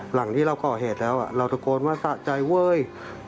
หลังที่เราก่อเหตุแล้วเราตะโกนว่าสะใจเว้ย